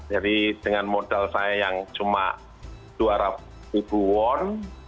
jadi dengan modal saya yang cuma dua ratus ribu won